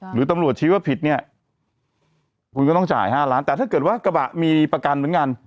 หรือตำรวจชี้ว่าผิดเนี่ยคุณก็ต้องจ่าย๕ล้านแต่ถ้าเกิดว่ากระบะมีประกันเหมือนกัน